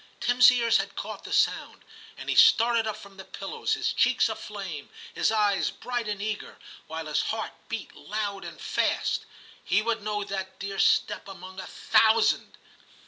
Tim*s ears had caught the sound, and he started up from his pillows, his cheeks aflame, his eyes bright and eager, while his heart beat loud and fast. He would know that dear step among a thousand.